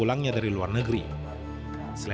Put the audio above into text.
dan apabila mereka memutus utama